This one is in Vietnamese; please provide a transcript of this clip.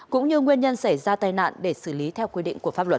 cũng như nguyên nhân xảy ra tai nạn để xử lý theo quy định của pháp luật